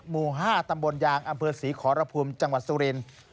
หมู่๕ตำบลยางอำเภอศรีขอรพุมจังหวัดสุรินทร์